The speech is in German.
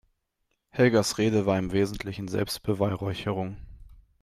Helgas Rede war im Wesentlichen Selbstbeweihräucherung.